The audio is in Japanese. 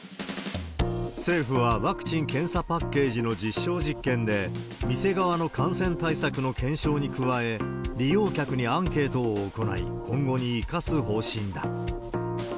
政府は、ワクチン・検査パッケージの実証実験で、店側の感染対策の検証に加え、利用客にアンケートを行い、今後に生かす方針だ。